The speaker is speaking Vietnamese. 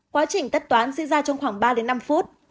quá trình tắt toán diễn ra trong khoảng ba năm phút